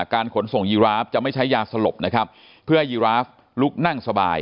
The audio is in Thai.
ขนส่งยีราฟจะไม่ใช้ยาสลบนะครับเพื่อให้ยีราฟลุกนั่งสบาย